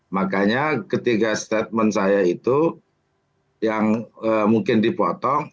makanya ketiga statement saya itu yang mungkin dipotong